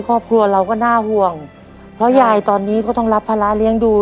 ครอบครัวเราก็น่าห่วงเพราะยายตอนนี้ก็ต้องรับภาระเลี้ยงดู